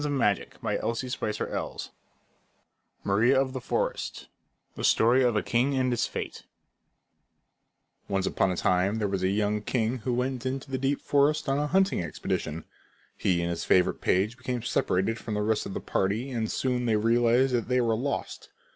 [Illustration: Headpiece] MARIA OF THE FOREST The Story of a King and His Fate Once upon a time there was a young king who went into the deep forest on a hunting expedition. He and his favorite page became separated from the rest of the party and soon they realized that they were lost.